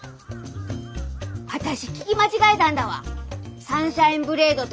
私聞き間違えたんだわサンシャインブレードと。